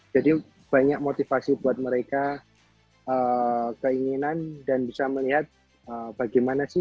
jadi banyak motivasi buat mereka keinginan dan bisa melihat bagaimana sih